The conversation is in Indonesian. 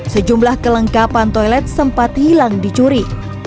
sejumlah kelengkapan toilet sempat hilang dicuri